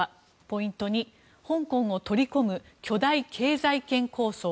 ポイント２香港を取り込む巨大経済圏構想。